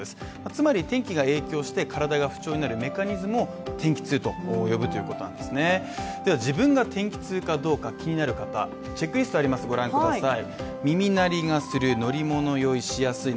つまり天気が影響して体が不調になるメカニズムを天気痛と呼ぶということなんですでは自分が天気痛かどうか気になる方、チェックリストあります、ご覧ください。